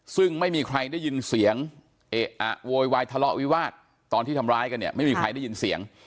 ซึ่งไม่มีใครได้ยินเสียงเอะอะโวยวายทะเลาะวิวาสตอนที่ทำร้ายกันเนี่ยไม่มีใครได้ยินเสียง